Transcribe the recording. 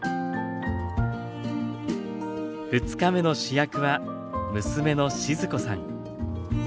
２日目の主役は娘の静子さん。